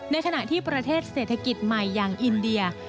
ในขณะที่ประเทศเศรษฐกิจใหม่อย่างอินเดีย